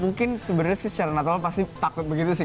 mungkin sebenarnya sih secara natural pasti takut begitu sih